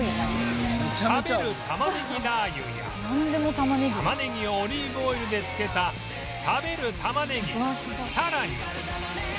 食べる玉ねぎラー油やたまねぎをオリーブオイルで漬けた食べる玉ねぎさらに